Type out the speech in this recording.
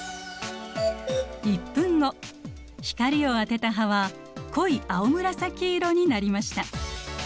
光を当てた葉は濃い青紫色になりました。